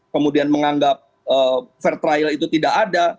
kemudian menganggap fair trial itu tidak ada